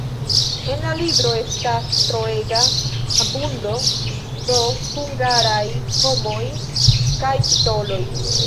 En la libro estas troega abundo da hungaraj nomoj kaj titoloj.